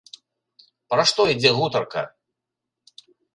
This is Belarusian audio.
Пра што ідзе гутарка?